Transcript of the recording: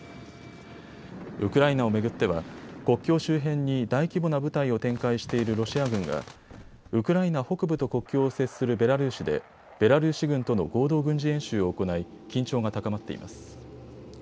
ウクライナを巡っては、国境周辺に大規模な部隊を展開しているロシア軍がウクライナ北部と国境を接するベラルーシでベラルーシ軍との合同軍事演習を行い、緊張が高まっています。